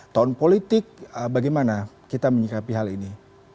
tahun politik bagaimana kita menyikapi hal ini